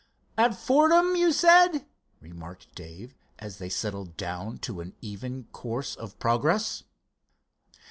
"At Fordham, you said," remarked Dave, as they settled down to an even course of progress.